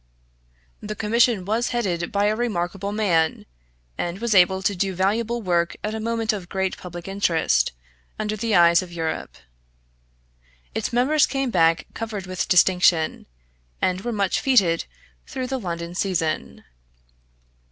The Commission was headed by a remarkable man, and was able to do valuable work at a moment of great public interest, under the eyes of Europe. Its members came back covered with distinction, and were much fêted through the London season.